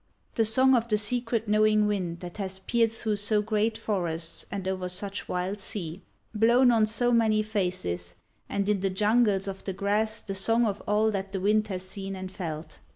The song of the secret knowing wind that has peered through so great forests and over such wild sea; blown on so many faces, and in the jungles of the grass the song of all that the wind has seen and felt.